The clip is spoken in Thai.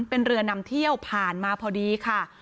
เป็นเรือนำเที่ยวผ่านมาพอดีค่ะ